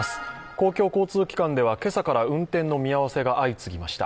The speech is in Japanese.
公共交通機関では今朝から運転の見合わせが相次ぎました。